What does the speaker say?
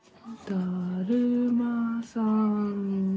「だるまさんが」。